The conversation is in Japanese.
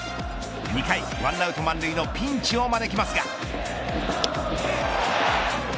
２回１アウト満塁のピンチを招きますが。